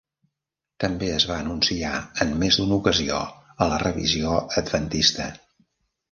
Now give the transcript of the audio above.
També es va anunciar en més d'una ocasió a la Revisió Adventista.